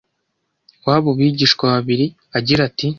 w’abo bigishwa babiri agira ati: